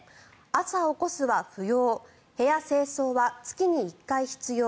朝起こすは不要部屋清掃は月１回必要。